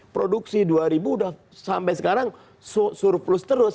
produksi dua ribu udah sampai sekarang surplus terus